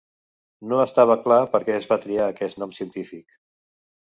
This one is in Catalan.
No estava clar per què es va triar aquest nom científic.